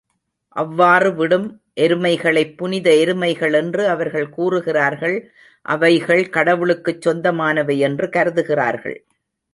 அவ்வாறு விடும் எருமைகளைப் புனித எருமைகள் என்று அவர்கள் கூறுகிறார்கள், அவைகள் கடவுளுக்குச் சொந்த மானவை என்று கருதுகிறார்கள்.